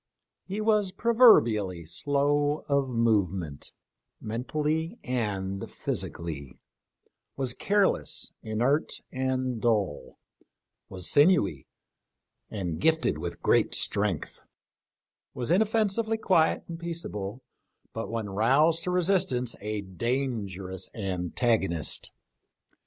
He was proverbially slow of movement, mentally and physically ; was careless, inert, and dull ; was sinewy, and gifted with great strength ; was inoffensively quiet and peaceable, but when roused to resistance a danger ous antagonist.